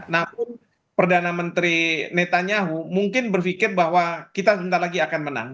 namun perdana menteri netanyahu mungkin berpikir bahwa kita sebentar lagi akan menang